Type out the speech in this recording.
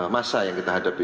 masa yang kita hadapi